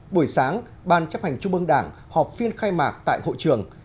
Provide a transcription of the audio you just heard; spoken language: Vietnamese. buổi sáng ban chấp hành trung ương đảng họp phiên khai mạc tại hội trường